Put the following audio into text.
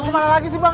kemana lagi sih bang